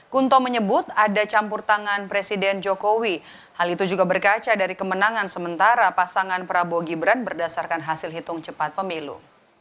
kunto menyebut ada campur tangan presiden jokowi hal itu juga berkaca dari kemenangan sementara pasangan prabowo gibran berdasarkan hasil hitung cepat pemilu